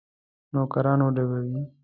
نوکران وډبوي.